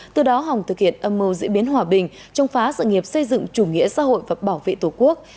từ đó hồng thực hiện âm mưu diễn biến hòa bình trông phá sự nghiệp xây dựng chủ nghĩa xã hội và bảo vệ tổ quốc